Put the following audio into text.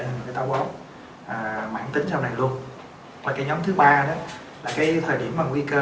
thành một cái tàu bóng mà hãng tính sau này luôn và cái nhóm thứ ba đó là cái thời điểm mà nguy cơ